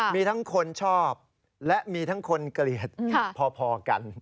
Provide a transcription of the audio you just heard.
มีทั้งคนชอบและมีทั้งคนเกลียดพอกัน